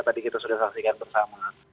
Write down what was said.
tadi kita sudah saksikan bersama